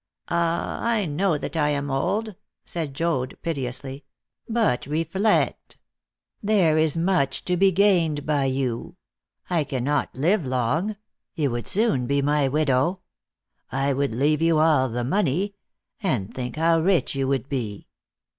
"Ah, I know that I am old," said Joad piteously, "but reflect. There is much to be gained by you. I cannot live long; you would soon be my widow. I would leave you all the money; and think how rich you would be!"